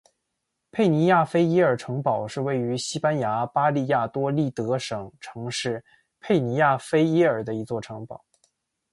佩尼亚菲耶尔城堡是位于西班牙巴利亚多利德省城市佩尼亚菲耶尔的一座城堡。